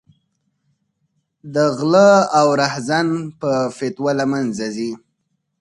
د غله او رحزن په فتوا له منځه ځي.